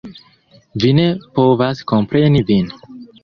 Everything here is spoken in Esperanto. Mi ne povas kompreni vin.